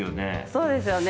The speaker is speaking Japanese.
そうですよね。